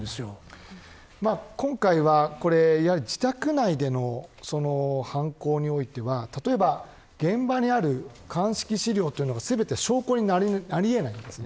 今回は自宅内での犯行においては現場にある鑑識資料が全て証拠になり得ないんです。